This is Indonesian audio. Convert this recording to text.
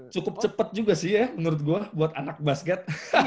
cukup cepat juga sih ya menurut gue buat anak basket